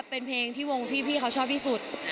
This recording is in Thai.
เป็นเพลงที่วงพี่เขาชอบที่สุด